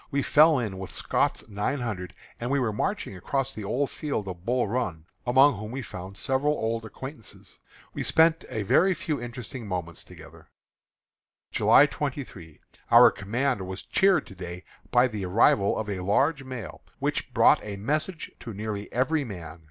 We fell in with Scott's Nine Hundred as we were marching across the old field of Bull Run, among whom we found several old acquaintances. We spent a few very interesting moments together. July 23. Our command was cheered to day by the arrival of a large mail, which brought a message to nearly every man.